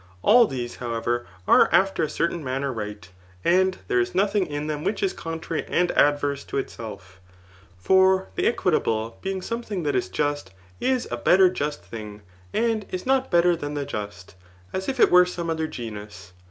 All these, however, are after a certain manner right, and there is nodiing in them which is contrary and adverse to itself. For tlM equita Digitized by Google 188 THE NICOMACHEAN HOOK V» ble being something that is just, is a better just thing; and is not better than the just, as if it were some other genus.